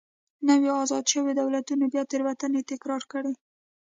نویو ازاد شویو دولتونو بیا تېروتنې تکرار کړې.